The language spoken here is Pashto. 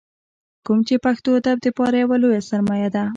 کوم چې پښتو ادب دپاره يوه لويه سرمايه ده ۔